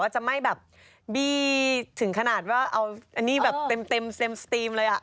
จะไม่บีดถึงขนาดว่าเอาอันนี้แต็มเลย